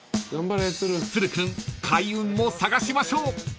［都留君開運も探しましょう］